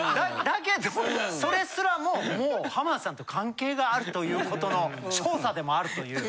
だけどそれすらももう浜田さんと関係があるということの調査でもあるという。